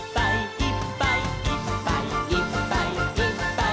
「いっぱいいっぱいいっぱいいっぱい」